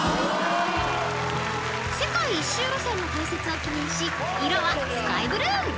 ［世界一周路線の開設を記念し色はスカイブルー］